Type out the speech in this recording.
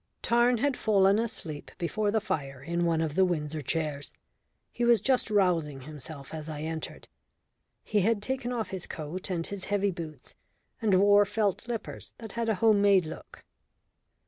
Tarn had fallen asleep before the fire in one of the windsor chairs. He was just rousing himself as I entered. He had taken off his coat and his heavy boots and wore felt slippers that had a home made look.